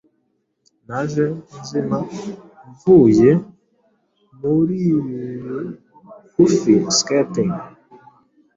Naje nzima mvuye muribibigufi scaping